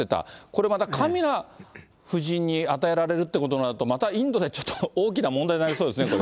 これまたカミラ夫人に与えられるっていうことになると、またインドでちょっと大きな問題になりそうですね。